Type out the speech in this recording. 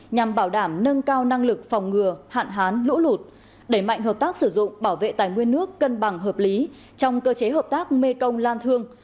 nhằm bảo đảm nâng cao năng lực phòng ngừa hạn hán lũ lụt đẩy mạnh hợp tác sử dụng bảo vệ tài nguyên nước cân bằng hợp lý trong cơ chế hợp tác mê công lan thương